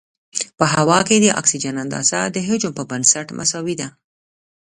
په هوا کې د اکسیجن اندازه د حجم په بنسټ مساوي ده.